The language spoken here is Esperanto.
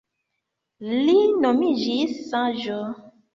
Li nomiĝis Saĝo.